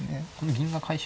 銀が解消。